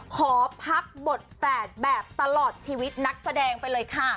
ขอพักบทแฝดแบบตลอดชีวิตนักแสดงไปเลยค่ะ